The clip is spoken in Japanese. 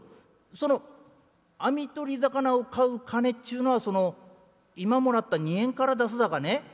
その網取り魚を買う金っちゅうのはその今もらった２円から出すだかね？